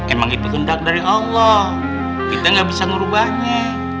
emang itu tundak dari allah kita nggak bisa ngerubahnya